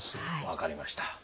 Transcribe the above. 分かりました。